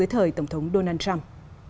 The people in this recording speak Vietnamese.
hỏi tổng thống donald trump